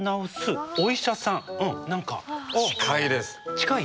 近い？